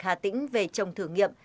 hà tĩnh về trồng thử nghiệm